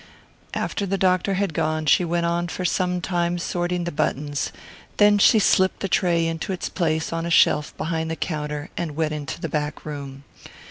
After the doctor had gone she went on for some time sorting the buttons; then she slipped the tray into its place on a shelf behind the counter and went into the back room.